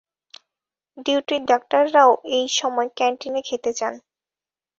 ডিউটির ডাক্তাররাও এই সময় ক্যান্টিনে খেতে যান।